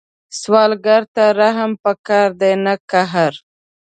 سوالګر ته رحم پکار دی، نه قهر